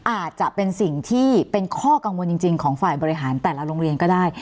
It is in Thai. อาจจะเป็นสิ่งที่เป็นข้อกังวลจริงของฝ่ายบริหารแต่ละโรงเรียนก็ได้